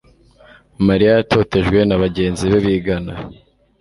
Mariya yatotejwe na bagenzi be bigana